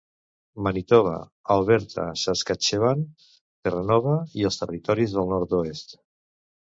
Manitoba, Alberta, Saskatchewan, Terranova i els Territoris del Nord-oest.